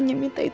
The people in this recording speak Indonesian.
terima kasih bu